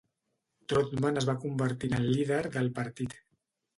Trotman es va convertir en el líder del partit.